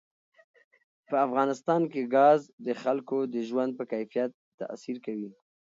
په افغانستان کې ګاز د خلکو د ژوند په کیفیت تاثیر کوي.